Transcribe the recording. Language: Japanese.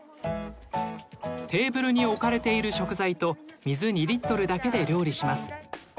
テーブルに置かれている食材と水２リットルだけで料理します。